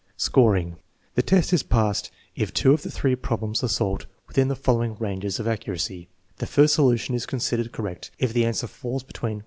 Scoring. The test is passed if two of the three problems are solved within the following range of accuracy: the first solution is considered correct if the answer falls between 4.